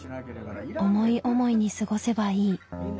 思い思いに過ごせばいい」。